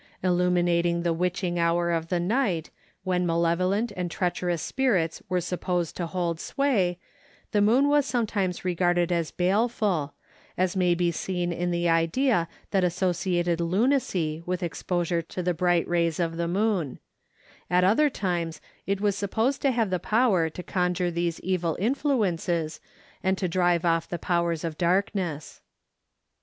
Illuminating the witching hour of the night, when malevolent and treacherous spirits were supposed to hold sway, the moon was sometimes regarded as baleful, as may be seen in the idea that associated lunacy with exposure to the bright rays of the moon; at other times it was supposed to have the power to conjure these evil influences and to drive off the powers of darkness.